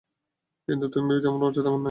কিন্তু তুমি যেমন ভাবছো তেমন নয়।